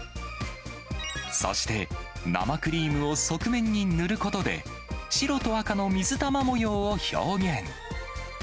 そして、生クリームを側面に塗ることで、白と赤の水玉模様を表現。